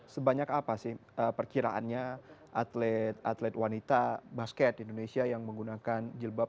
sebanyak apa sih perkiraannya atlet atlet wanita basket di indonesia yang menggunakan jilbab